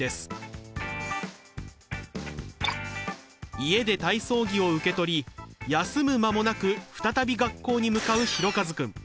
家で体操着を受け取り休む間もなく再び学校に向かうひろかずくん。